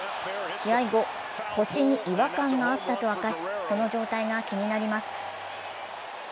試合後、腰に違和感があったとあかし、その状態が気になります。